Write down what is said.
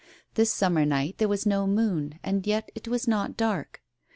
This summer night there was no moon, and yet it was not dark.